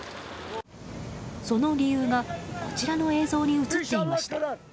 その理由がこちらの映像に映っていました。